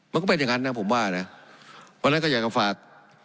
มันก็เป็นอย่างนั้นนะผมว่านะวันนั้นก็อยากฝาก